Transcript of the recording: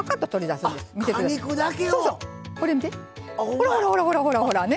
ほらほらほらほらほらほらね。